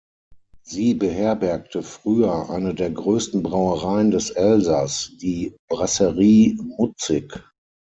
Sie beherbergte früher eine der größten Brauereien des Elsass, die "Brasserie Mutzig".